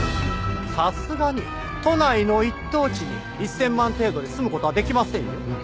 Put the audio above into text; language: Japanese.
さすがに都内の一等地に１０００万程度で住む事はできませんよ。